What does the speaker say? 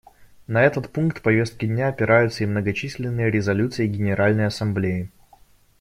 На этот пункт повестки дня опираются и многочисленные резолюции Генеральной Ассамблеи.